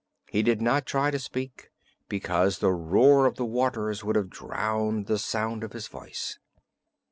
He did not try to speak, because the roar of the waters would have drowned the sound of his voice.